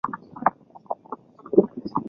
络蛱蝶属是蛱蝶亚科网蛱蝶族中的一个属。